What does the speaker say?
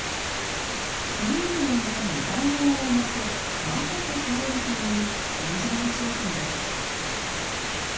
クリームの上に卵黄を載せ、混ぜて食べるというオリジナル商品です。